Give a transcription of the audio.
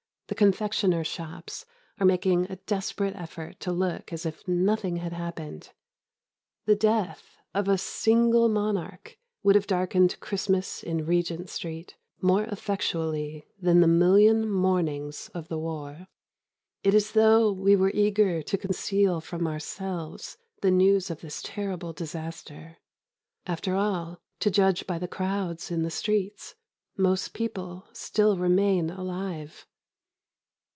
The confectioners' shops are making a desperate effort to look as if nothing had happened. The death of a single monarch would have darkened Christmas in Regent Street more effectually than the million mournings of the war. It is as though we were eager to conceal from ourselves the news of this terrible disaster. After all, to judge by the crowds in the streets, most people still remain alive.